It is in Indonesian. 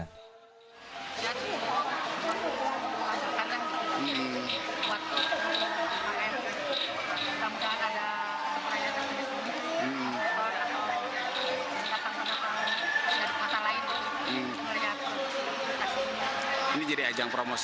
untuk perayaan misalnya ada perayaan di sini atau datang dari kota lain